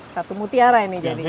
satu mutiara ini jadinya